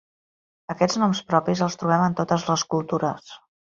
Aquests noms propis els trobem en totes les cultures.